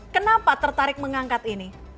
kenapa tertarik mengangkat ini